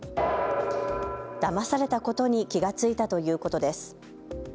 だまされたことに気が付いたということです。